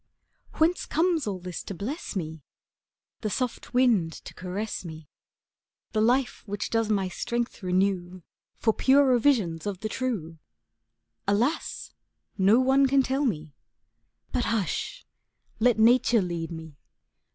Whence comes all this to bless me, The soft wind to caress me, The life which does my strength renew For purer visions of the true? Alas! no one can tell me. But, hush! let Nature lead me.